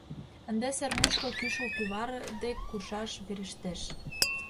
Ынде сер мучко кӱшыл кӱвар дек куржаш верештеш.